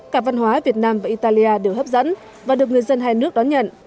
cả văn hóa việt nam và italia đều hấp dẫn và được người dân hai nước đón nhận